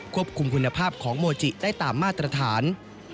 ควบคุมคุณภาพของโมจิได้ตามมาตรฐาน